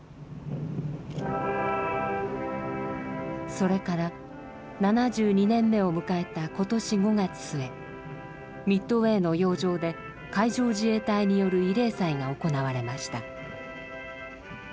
それから７２年目を迎えた今年５月末ミッドウェーの洋上で海上自衛隊による慰霊祭が行われました。